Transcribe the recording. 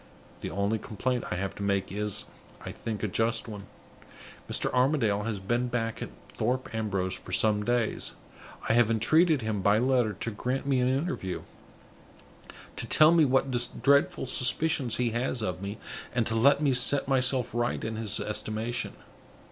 The only complaint I have to make is, I think, a just one. Mr. Armadale has been back at Thorpe Ambrose for some days. I have entreated him, by letter, to grant me an interview; to tell me what dreadful suspicions he has of me, and to let me set myself right in his estimation.